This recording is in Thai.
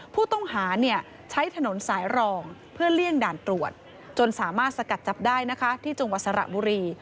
ผู้ต้องหาใช้ถนนสายรองเพื่อเลี่ยงด่านตรวจจนสามารถสกัดจับได้นะคะที่จังหวัดสระบุรี